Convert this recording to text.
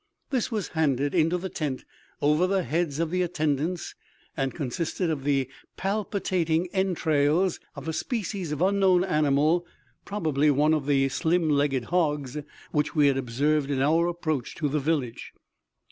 This was handed into the tent over the heads of the attendants, and consisted of the palpitating entrails of a specialis of unknown animal, probably one of the slim legged hogs which we had observed in our approach to the village.